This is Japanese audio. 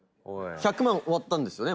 １００万終わったんですよね？